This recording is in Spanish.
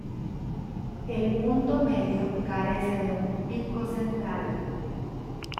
El punto medio carece de un pico central.